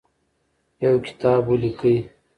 یو کتاب ولیکئ.